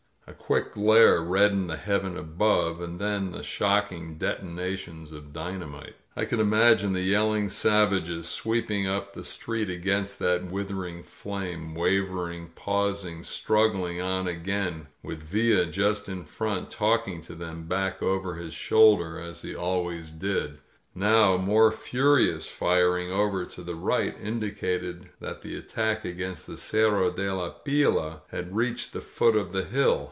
A quick glare reddened the heaven above, and then the shock ing detonations of dynamite. I could imagine the yell ing savages sweeping up the street against that wither ing flame, wavering, pausing, struggling on again, with Villa just in front, talking to them back over his shoul der, as he always did. Now more furious firing over to the right indicated that the attack againat the Cerro de la Pila had reached the foot of the hill.